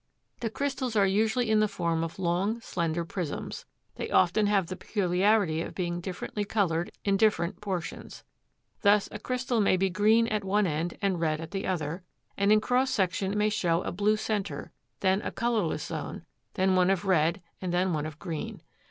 The crystals are usually in the form of long, slender prisms. They often have the peculiarity of being differently colored in different portions. Thus a crystal may be green at one end and red at the other, and in cross section may show a blue center, then a colorless zone, then one of red and then one of green.